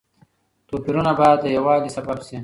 توپيرونه بايد د يووالي سبب شي.